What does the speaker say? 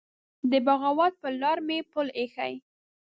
د بغاوت پر لار مي پل يښی